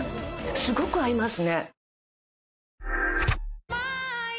すごく合いますね。